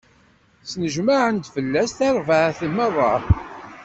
Snejmaɛen-d fell-as tarbaɛt meṛṛa.